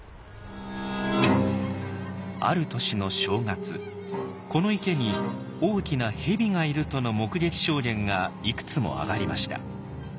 ある年の正月この池に大きな蛇がいるとの目撃証言がいくつもあがりました。